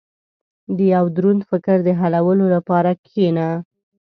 • د یو دروند فکر د حلولو لپاره کښېنه.